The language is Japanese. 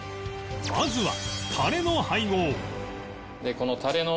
まずはタレの配合